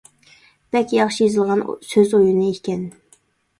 بەك ياخشى يېزىلغان «سۆز ئويۇنى» ئىكەن.